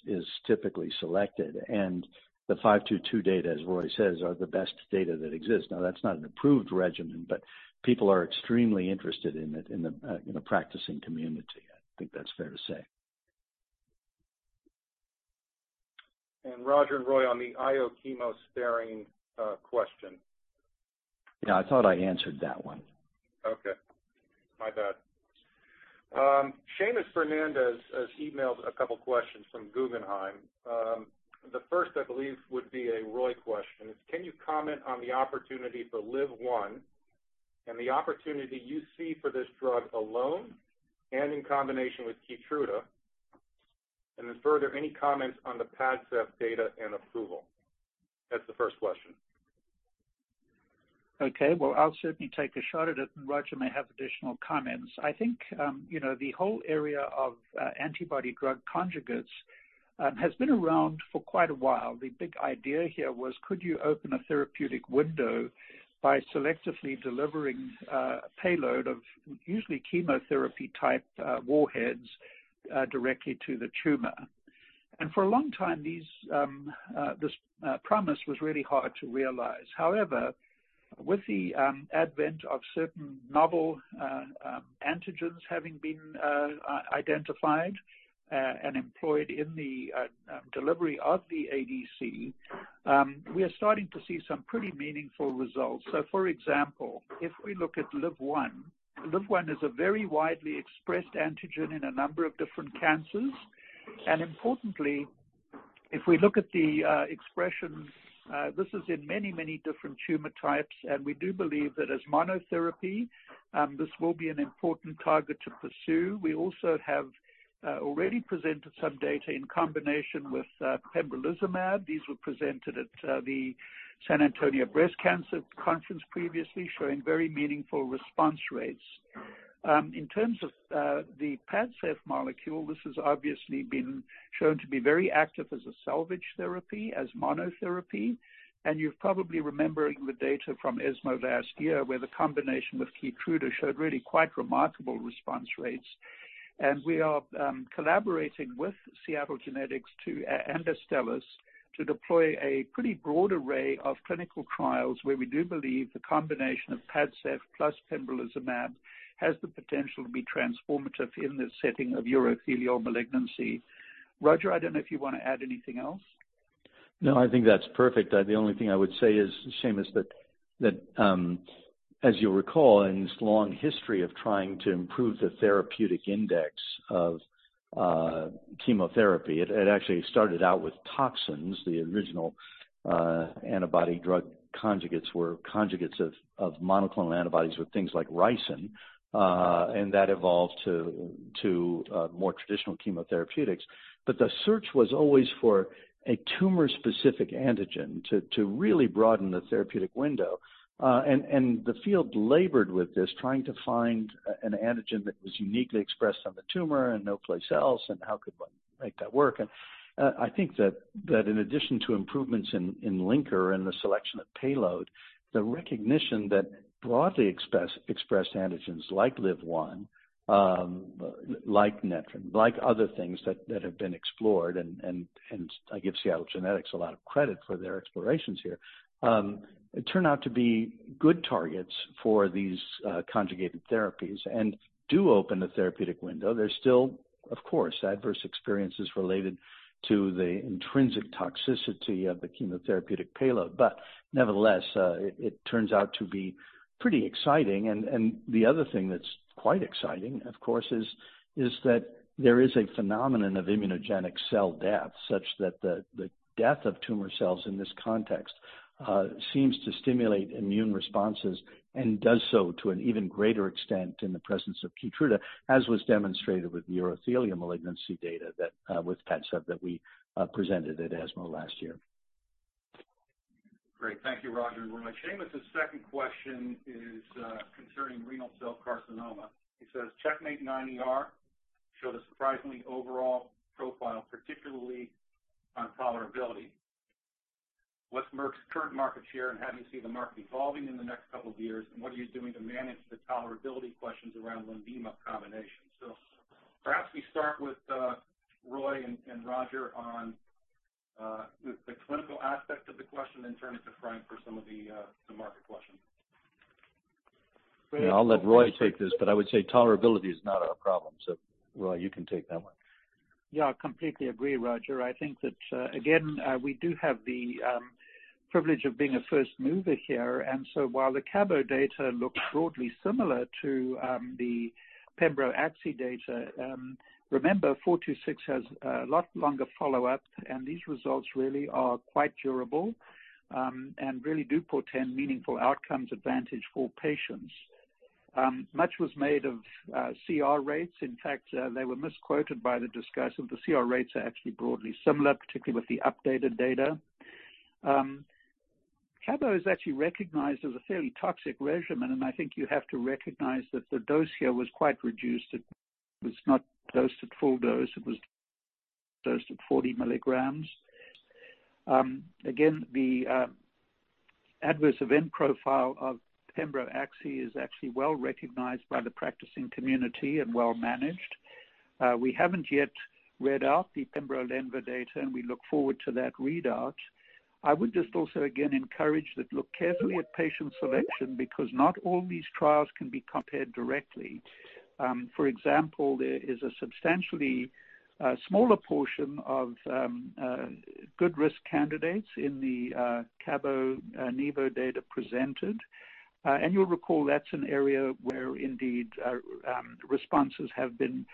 is typically selected, and the 522 data, as Roy says, are the best data that exist. Now, that's not an approved regimen, but people are extremely interested in it in the practicing community. I think that's fair to say. Roger and Roy, on the IO chemo sparing question. Yeah, I thought I answered that one. Okay. My bad. Seamus Fernandez has emailed a couple questions from Guggenheim. The first, I believe, would be a Roy question. Can you comment on the opportunity for LIV-1 and the opportunity you see for this drug alone and in combination with KEYTRUDA? Then further, any comments on the PADCEV data and approval? That's the first question. Okay. Well, I'll certainly take a shot at it, and Roger may have additional comments. I think the whole area of antibody-drug conjugates has been around for quite a while. The big idea here was could you open a therapeutic window by selectively delivering a payload of usually chemotherapy-type warheads directly to the tumor? For a long time, this promise was really hard to realize. However, with the advent of certain novel antigens having been identified and employed in the delivery of the ADC, we are starting to see some pretty meaningful results. For example, if we look at LIV-1, LIV-1 is a very widely expressed antigen in a number of different cancers. Importantly, if we look at the expressions, this is in many, many different tumor types, we do believe that as monotherapy, this will be an important target to pursue. We also have already presented some data in combination with pembrolizumab. These were presented at the San Antonio Breast Cancer Symposium previously, showing very meaningful response rates. In terms of the PADCEV molecule, this has obviously been shown to be very active as a salvage therapy, as monotherapy. You're probably remembering the data from ESMO last year, where the combination with KEYTRUDA showed really quite remarkable response rates. We are collaborating with Seagen and Astellas to deploy a pretty broad array of clinical trials where we do believe the combination of PADCEV plus pembrolizumab has the potential to be transformative in the setting of urothelial malignancy. Roger, I don't know if you want to add anything else. No, I think that's perfect. The only thing I would say is, Seamus, that as you'll recall, in this long history of trying to improve the therapeutic index of chemotherapy, it actually started out with toxins. The original antibody drug conjugates were conjugates of monoclonal antibodies with things like ricin, and that evolved to more traditional chemotherapeutics. The search was always for a tumor-specific antigen to really broaden the therapeutic window. The field labored with this, trying to find an antigen that was uniquely expressed on the tumor and no place else, and how could one make that work. I think that in addition to improvements in linker and the selection of payload, the recognition that broadly expressed antigens like LIV-1, like Nectin, like other things that have been explored, and I give Seagen a lot of credit for their explorations here, turn out to be good targets for these conjugated therapies and do open the therapeutic window. There's still, of course, adverse experiences related to the intrinsic toxicity of the chemotherapeutic payload. Nevertheless, it turns out to be pretty exciting. The other thing that's quite exciting, of course, is that there is a phenomenon of immunogenic cell death such that the death of tumor cells in this context seems to stimulate immune responses and does so to an even greater extent in the presence of KEYTRUDA, as was demonstrated with the urothelium malignancy data with PADCEV that we presented at ESMO last year. Great. Thank you, Roger and Roy. Seamus' second question is concerning renal cell carcinoma. He says, "CheckMate 9ER showed a surprising overall profile, particularly on tolerability. What's Merck's current market share, and how do you see the market evolving in the next couple of years, and what are you doing to manage the tolerability questions around LENVIMA combination?" Perhaps we start with Roy and Roger on the clinical aspect of the question, then turn it to Frank Clyburn for some of the market questions. I'll let Roy take this, but I would say tolerability is not a problem. Roy, you can take that one. Yeah, I completely agree, Roger. I think that, again, we do have the privilege of being a first mover here. While the cabo data looks broadly similar to the pembro/axi data, remember, KEYNOTE-426 has a lot longer follow-up, and these results really are quite durable and really do portend meaningful outcomes advantage for patients. Much was made of CR rates. In fact, they were misquoted by the discussants. The CR rates are actually broadly similar, particularly with the updated data. cabo is actually recognized as a fairly toxic regimen, and I think you have to recognize that the dose here was quite reduced. It was not dosed at full dose. It was dosed at 40 milligrams. Again, the adverse event profile of pembro/axi is actually well recognized by the practicing community and well managed. We haven't yet read out the pembro/lenva data. We look forward to that readout. I would just also, again, encourage that look carefully at patient selection, because not all these trials can be compared directly. For example, there is a substantially smaller portion of good-risk candidates in the cabo/nivo data presented. You'll recall that's an area where indeed, responses have been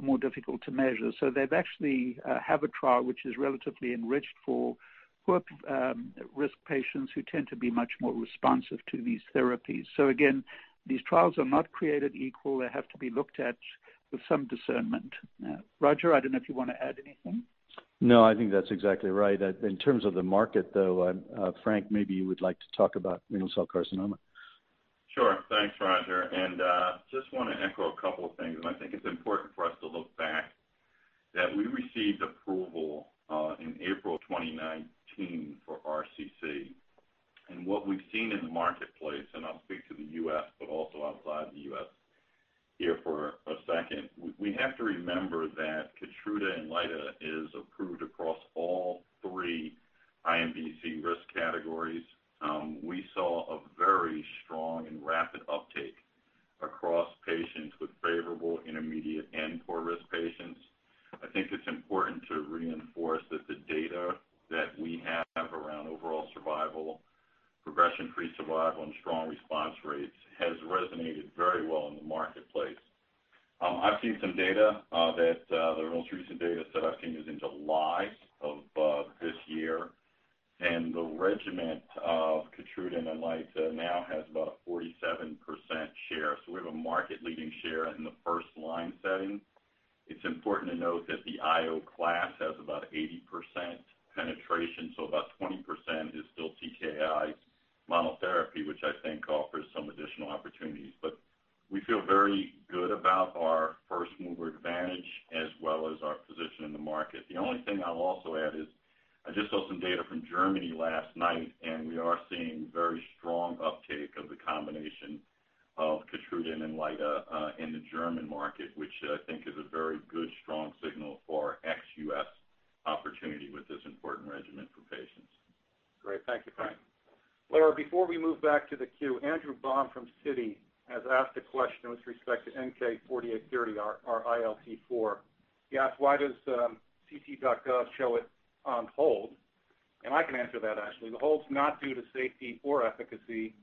more difficult to measure. They actually have a trial which is relatively enriched for poor-risk patients who tend to be much more responsive to these therapies. Again, these trials are not created equal. They have to be looked at with some discernment. Roger, I don't know if you want to add anything. No, I think that's exactly right. In terms of the market, though, Frank, maybe you would like to talk about renal cell carcinoma. Sure. Thanks, Roger. Just want to echo a couple of things, and I think it's important for us to look back that we received approval in April 2019 very good, strong signal for ex-U.S. opportunity with this important regimen for patients. Thank you, Frank. Lara, before we move back to the queue, Andrew Baum from Citi has asked a question with respect to MK-4830, our ILT-4. He asked, "Why does ClinicalTrials.gov show it on hold?" I can answer that, actually. The hold's not due to safety or efficacy.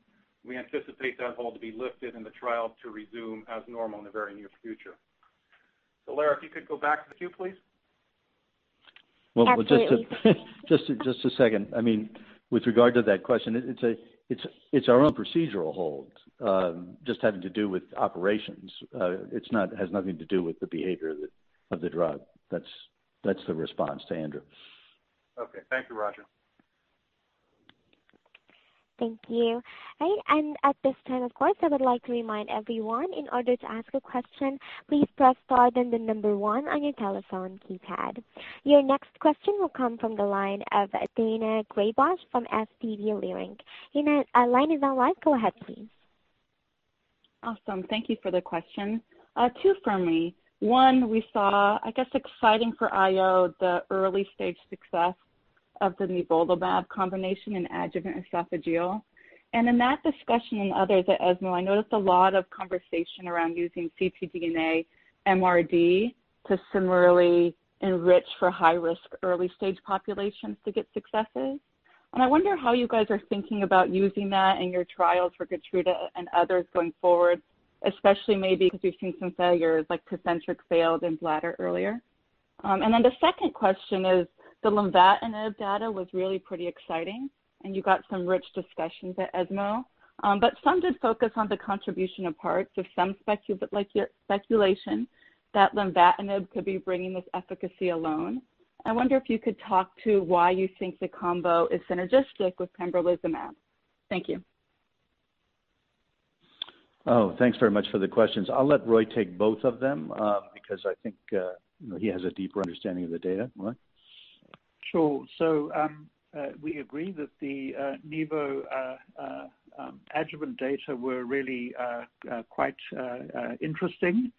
We anticipate that hold to be lifted and the trial to resume as normal in the very near future. Lara, if you could go back to the queue, please. Absolutely. Just a second. With regard to that question, it's our own procedural hold, just having to do with operations. It has nothing to do with the behavior of the drug. That's the response to Andrew. Okay. Thank you, Roger. Thank you. At this time, of course, I would like to remind everyone in order to ask a question, please press star, then the number one on your telephone keypad. Your next question will come from the line of Daina Graybosch from SVB Leerink. Daina, line is now live. Go ahead, please. Awesome. Thank you for the question. Two from me. One, we saw, I guess exciting for IO, the early-stage success of the nivolumab combination in adjuvant esophageal. In that discussion and others at ESMO, I noticed a lot of conversation around using ctDNA MRD to similarly enrich for high-risk early-stage populations to get successes. I wonder how you guys are thinking about using that in your trials for KEYTRUDA and others going forward. Especially maybe because we've seen some failures, like IMvigor010 failed in bladder earlier. The second question is, the lenvatinib data was really pretty exciting, and you got some rich discussions at ESMO. Some did focus on the contribution of parts of some speculation that lenvatinib could be bringing this efficacy alone. I wonder if you could talk to why you think the combo is synergistic with pembrolizumab. Thank you. Oh, thanks very much for the questions. I'll let Roy take both of them, because I think he has a deeper understanding of the data. Roy? Sure. We agree that the nivo adjuvant data were really quite interesting.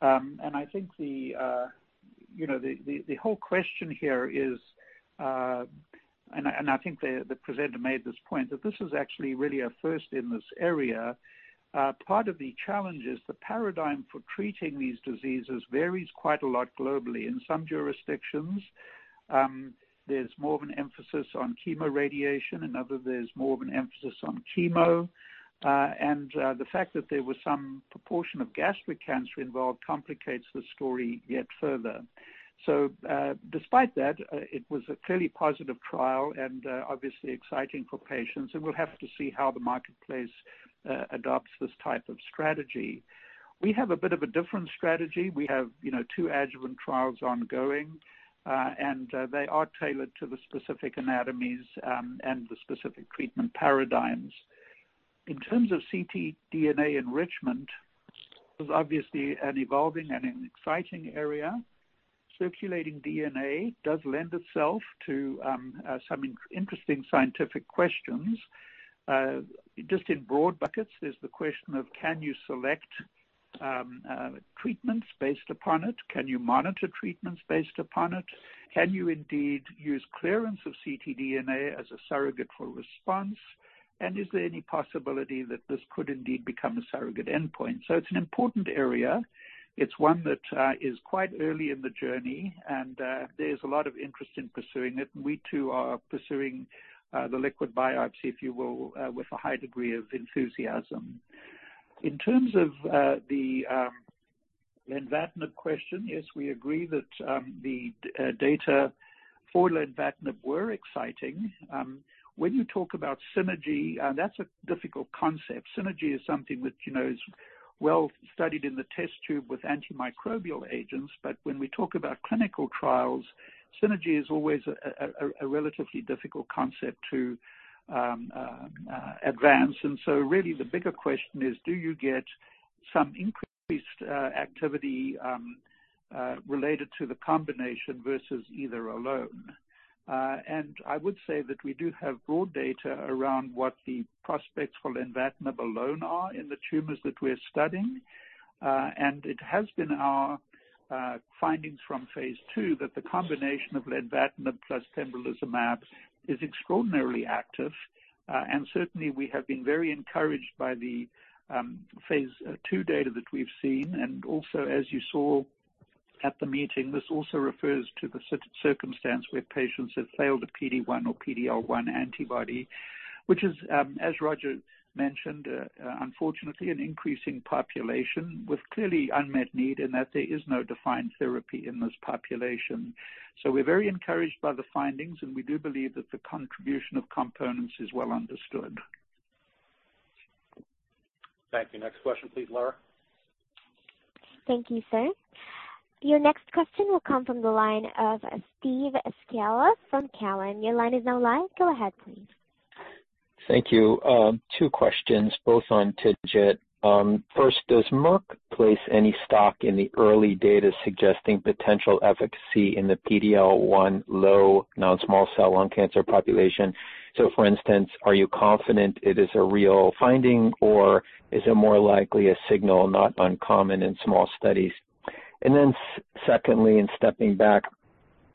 I think the whole question here is, and I think the presenter made this point, that this is actually really a first in this area. Part of the challenge is the paradigm for treating these diseases varies quite a lot globally. In some jurisdictions, there's more of an emphasis on chemoradiation. In others, there's more of an emphasis on chemo. The fact that there was some proportion of gastric cancer involved complicates the story yet further. Despite that, it was a clearly positive trial and obviously exciting for patients, and we'll have to see how the marketplace adopts this type of strategy. We have a bit of a different strategy. We have two adjuvant trials ongoing. They are tailored to the specific anatomies, and the specific treatment paradigms. In terms of ctDNA enrichment, this is obviously an evolving and an exciting area. Circulating DNA does lend itself to some interesting scientific questions. Just in broad buckets, there's the question of can you select treatments based upon it? Can you monitor treatments based upon it? Can you indeed use clearance of ctDNA as a surrogate for response? Is there any possibility that this could indeed become a surrogate endpoint? It's an important area. It's one that is quite early in the journey, and there's a lot of interest in pursuing it. We too are pursuing the liquid biopsy, if you will, with a high degree of enthusiasm. In terms of the lenvatinib question, yes, we agree that the data for lenvatinib were exciting. When you talk about synergy, that's a difficult concept. Synergy is something which is well-studied in the test tube with antimicrobial agents. When we talk about clinical trials, synergy is always a relatively difficult concept to advance. Really the bigger question is do you get some increased activity related to the combination versus either alone? I would say that we do have broad data around what the prospects for lenvatinib alone are in the tumors that we're studying. It has been our findings from phase II that the combination of lenvatinib plus pembrolizumab is extraordinarily active. Certainly, we have been very encouraged by the phase II data that we've seen. Also, as you saw at the meeting, this also refers to the circumstance where patients have failed a PD-1 or PD-L1 antibody, which is, as Roger mentioned, unfortunately an increasing population with clearly unmet need in that there is no defined therapy in this population. We're very encouraged by the findings, and we do believe that the contribution of components is well understood. Thank you. Next question please, Lara. Thank you, sir. Your next question will come from the line of Steve Scala from Cowen. Your line is now live. Go ahead, please. Thank you. Two questions, both on TIGIT. First, does Merck place any stock in the early data suggesting potential efficacy in the PD-L1 low non-small cell lung cancer population? For instance, are you confident it is a real finding, or is it more likely a signal not uncommon in small studies? Secondly,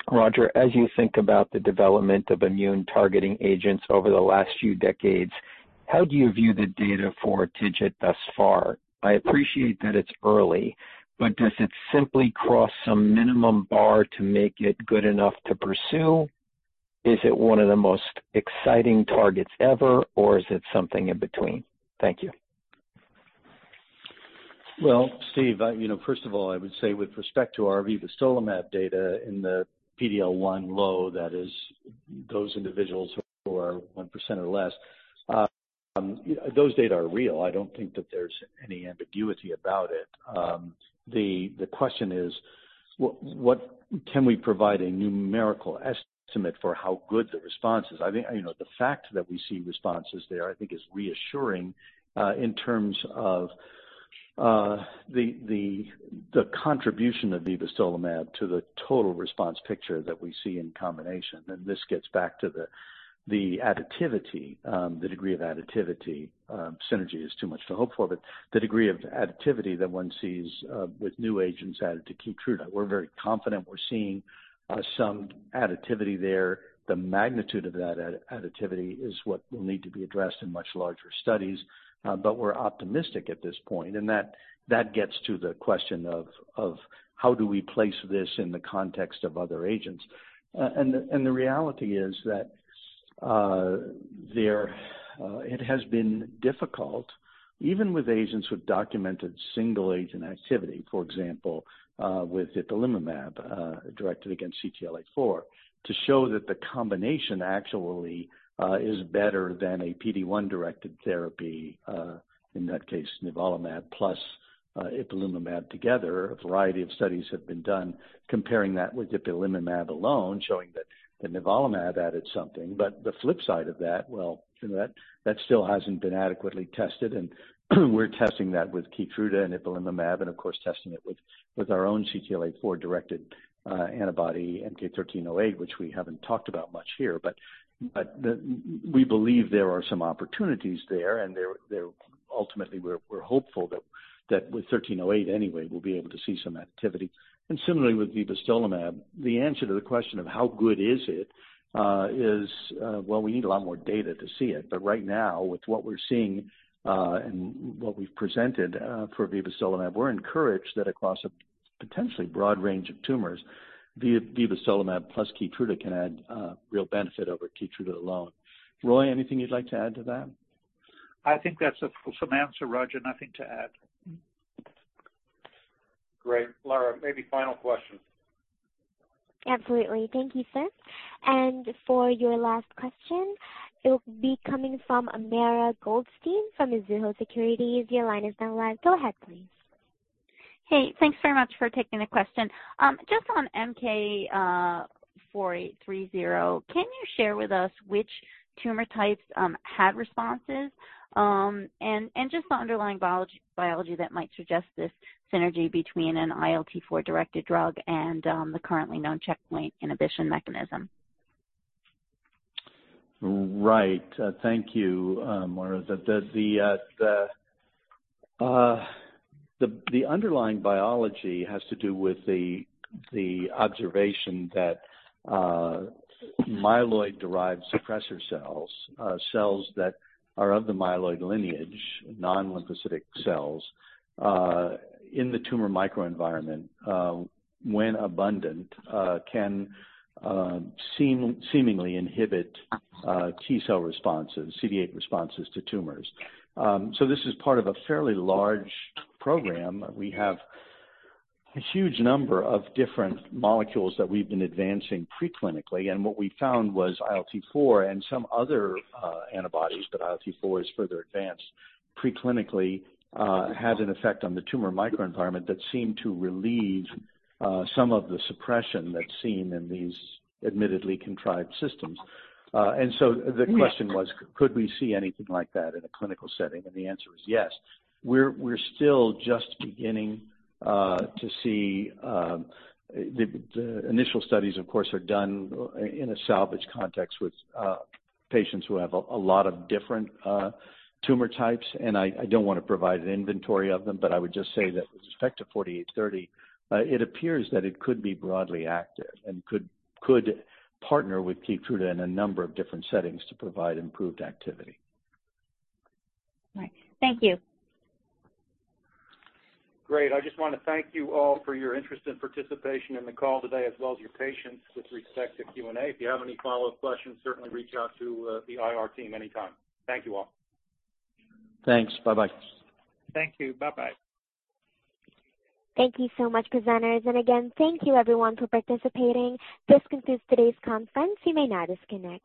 Roger, as you think about the development of immune-targeting agents over the last few decades, how do you view the data for TIGIT thus far? I appreciate that it's early, but does it simply cross some minimum bar to make it good enough to pursue? Is it one of the most exciting targets ever, or is it something in between? Thank you. Well, Steve, first of all, I would say with respect to our vibostolimab data in the PD-L1 low, that is those individuals who are 1% or less, those data are real. I don't think that there's any ambiguity about it. The question is, can we provide a numerical estimate for how good the response is? The fact that we see responses there, I think is reassuring in terms of the contribution of vibostolimab to the total response picture that we see in combination. This gets back to the additivity, the degree of additivity. The synergy is too much to hope for, but the degree of additivity that one sees with new agents added to KEYTRUDA. We're very confident we're seeing some additivity there. The magnitude of that additivity is what will need to be addressed in much larger studies. We're optimistic at this point, and that gets to the question of how do we place this in the context of other agents. The reality is that it has been difficult, even with agents with documented single-agent activity, for example, with ipilimumab, directed against CTLA-4, to show that the combination actually is better than a PD-1-directed therapy, in that case, nivolumab plus ipilimumab together. A variety of studies have been done comparing that with ipilimumab alone, showing that the nivolumab added something. The flip side of that, well, that still hasn't been adequately tested, and we're testing that with KEYTRUDA and ipilimumab and of course, testing it with our own CTLA-4-directed antibody, MK-1308, which we haven't talked about much here. We believe there are some opportunities there, and ultimately, we're hopeful that with 1308 anyway, we'll be able to see some activity. Similarly with vibostolimab, the answer to the question of how good is it is, well, we need a lot more data to see it. Right now, with what we're seeing and what we've presented for vibostolimab, we're encouraged that across a potentially broad range of tumors, vibostolimab plus KEYTRUDA can add real benefit over KEYTRUDA alone. Roy, anything you'd like to add to that? I think that's a fulsome answer, Roger. Nothing to add. Great. Lara, maybe final question. Absolutely. Thank you, sir. For your last question, it will be coming from Mara Goldstein from Mizuho Securities. Your line is now live. Go ahead, please. Hey, thanks very much for taking the question. Just on MK-4830, can you share with us which tumor types had responses? The underlying biology that might suggest this synergy between an ILT4-directed drug and the currently known checkpoint inhibition mechanism. Right. Thank you, Mara. The underlying biology has to do with the observation that myeloid-derived suppressor cells that are of the myeloid lineage, non-lymphocytic cells, in the tumor microenvironment, when abundant, can seemingly inhibit T cell responses, CD8 responses to tumors. This is part of a fairly large program. We have a huge number of different molecules that we've been advancing pre-clinically, and what we found was ILT4 and some other antibodies, but ILT4 is further advanced pre-clinically, had an effect on the tumor microenvironment that seemed to relieve some of the suppression that's seen in these admittedly contrived systems. The question was, could we see anything like that in a clinical setting? The answer is yes. We're still just beginning to see the initial studies, of course, are done in a salvage context with patients who have a lot of different tumor types. I don't want to provide an inventory of them. I would just say that with respect to 4830, it appears that it could be broadly active and could partner with KEYTRUDA in a number of different settings to provide improved activity. Right. Thank you. Great. I just want to thank you all for your interest and participation in the call today, as well as your patience with respect to Q&A. If you have any follow-up questions, certainly reach out to the IR team anytime. Thank you all. Thanks. Bye-bye. Thank you. Bye-bye. Thank you so much, presenters. Again, thank you everyone for participating. This concludes today's conference. You may now disconnect.